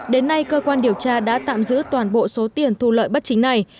đến nay cơ quan điều tra đã tạm giữ toàn bộ số tiền thu lợi bất chính này